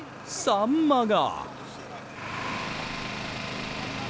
サンマが。